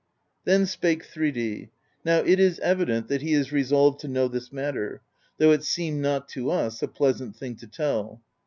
Then spake Thridi: "Now it is evident that he is re solved to know this matter, though it seem not to us a pleasant thing to tell.